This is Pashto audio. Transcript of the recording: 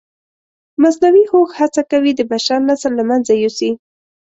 مصنوعي هوښ هڅه کوي د بشر نسل له منځه یوسي.